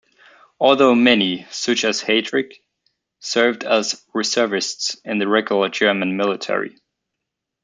Although many, such as Heydrich, served as reservists in the regular German military.